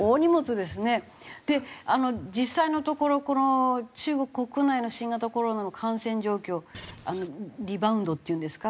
で実際のところこの中国国内の新型コロナの感染状況リバウンドっていうんですか？